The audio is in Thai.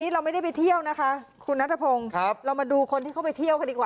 เราไม่ได้ไปเที่ยวนะคะคุณนัทพงศ์เรามาดูคนที่เข้าไปเที่ยวกันดีกว่า